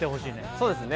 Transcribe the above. そうですね